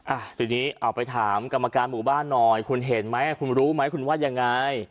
อ่ะทีนี้เอาไปถามกรรมการหมู่บ้านหน่อยคุณเห็นไหมคุณรู้ไหมคุณว่ายังไง